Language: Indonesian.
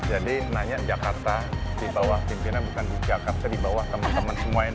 jadi nanya jakarta di bawah pimpinan bukan di jakarta di bawah teman teman semua ini